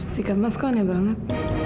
sikat mas kok aneh banget